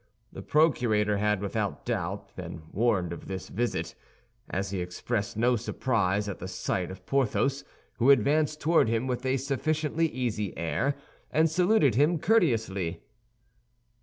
The procurator had without doubt been warned of his visit, as he expressed no surprise at the sight of Porthos, who advanced toward him with a sufficiently easy air, and saluted him courteously.